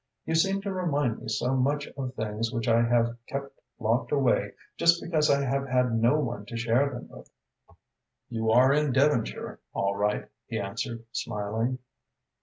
You seem to remind me so much of things which I have kept locked away just because I have had no one to share them with." "You are in Devonshire all right," he answered, smiling.